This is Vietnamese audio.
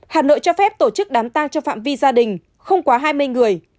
hà nội cho phép tổ chức đám tang trong phạm vi gia đình không quá hai mươi người